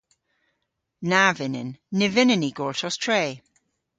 Na vynnyn. Ny vynnyn ni gortos tre.